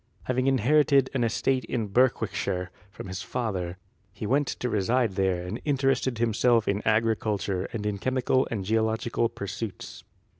Having inherited an estate in Berwickshire from his father, he went to reside there and interested himself in agriculture and in chemical and geological pursuits.